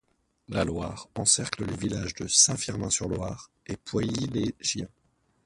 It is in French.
La Loire encercle les villages de Saint-Firmin-sur-Loire et Poilly-lez-Gien.